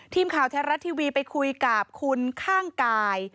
ทีมข่าวไทยรัฐทีวีไปคุยกับคุณข้างกาย